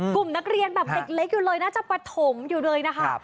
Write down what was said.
กลุ่มนักเรียนแบบเล็กอยู่เลยน่าจะปฐมอยู่เลยนะคะ